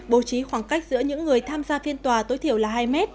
bố trí khoảng cách giữa những người tham gia phiên tòa tối thiểu là hai m